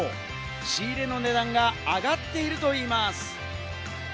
仕入れの値段が上がっているといいます。